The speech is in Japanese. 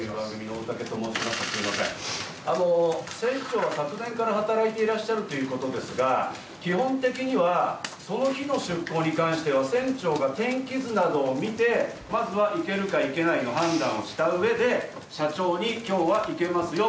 船長は昨年から働いていらっしゃるということですが基本的にはその日の出港に関しては船長が天気図などを見てまずは行けるか、行けないかの判断をしたうえで社長に今日はいけますよ